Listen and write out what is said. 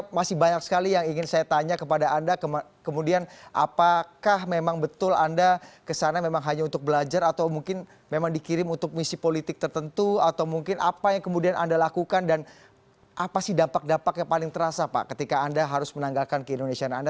masih banyak sekali yang ingin saya tanya kepada anda kemudian apakah memang betul anda kesana memang hanya untuk belajar atau mungkin memang dikirim untuk misi politik tertentu atau mungkin apa yang kemudian anda lakukan dan apa sih dampak dampak yang paling terasa pak ketika anda harus menanggalkan ke indonesiaan anda